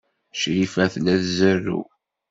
Crifa tella tzerrew.